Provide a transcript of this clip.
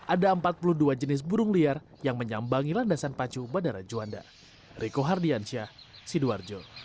ada empat puluh dua jenis burung liar yang menyambangi landasan pacu bandara juanda